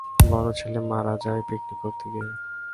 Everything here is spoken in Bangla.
বড় ছেলে মারা যায় পিকনিক করতে গিয়ে।